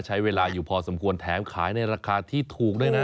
ใช้เวลาอยู่พอสมควรแถมขายในราคาที่ถูกด้วยนะ